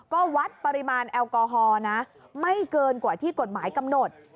ก็วัดปริมาณแอลกอฮอล์นะไม่เกินกว่าที่กฎหมายกำหนด